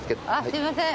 すいません。